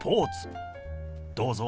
どうぞ。